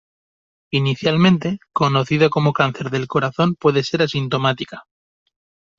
Inicialmente, conocida como cáncer del corazón puede ser asintomática.